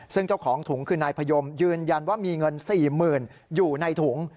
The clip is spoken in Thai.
ซึ่งเจ้าของถุงคือนายพยมยืนยันว่ามีเงิน๔๐๐๐อยู่ในถุง